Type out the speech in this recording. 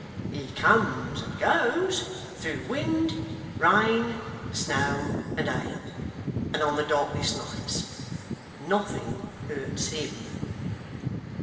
He comes and goes, through wind, rain, snow, and hail, and on the darkest nights. Nothing hurts HIM.